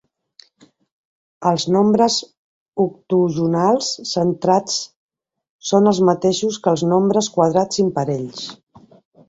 Els nombres octogonals centrats són els mateixos que els nombres quadrats imparells.